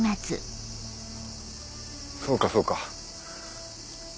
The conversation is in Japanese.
そうかそうか。